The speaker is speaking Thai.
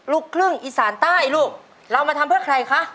ลูกครึ่งอีสานใต้ลูกเรามาทำเพื่อใครคะ